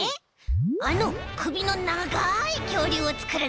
あのくびのながいきょうりゅうをつくるんだ！